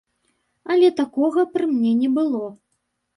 Але такога пры мне не было.